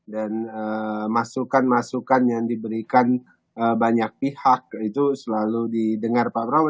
dan masukan masukan yang diberikan banyak pihak itu selalu didengar pak prabowo